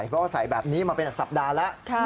เพราะใส่แบบนี้มาเป็นสัปดาห์แล้ว